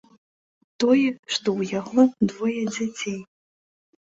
Тое, што ў яго двое дзяцей.